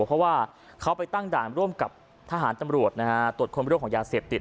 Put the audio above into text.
เพราะว่าเขาไปตั้งด่านร่วมกับทหารตำรวจตรวจคนเรื่องของยาเสพติด